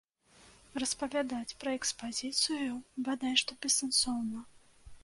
Распавядаць пра экспазіцыю бадай што бессэнсоўна.